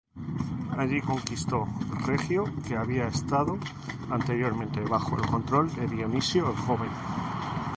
Allí conquistó Regio, que había estado anteriormente bajo el control de Dionisio el Joven.